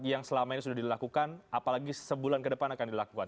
yang selama ini sudah dilakukan apalagi sebulan ke depan akan dilakukan